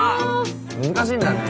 難しいんだね。